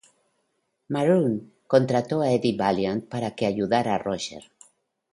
Maroon contrató a Eddie Valiant para que ayudara a Roger.